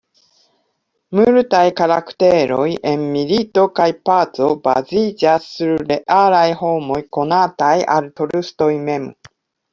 Multaj karakteroj en "Milito kaj paco" baziĝas sur realaj homoj konataj al Tolstoj mem.